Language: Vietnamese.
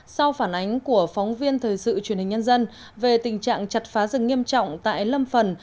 sau phản ánh của phóng viên thời sự truyền hình nhân dân về tình trạng chặt phá rừng nghiêm trọng tại lâm phần